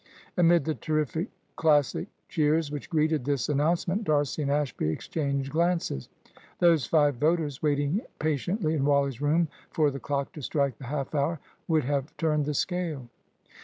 Amid the terrific Classic cheers which greeted this announcement, D'Arcy and Ashby exchanged glances. Those five voters, waiting patiently in Wally's room for the clock to strike the half hour, would have turned the scale!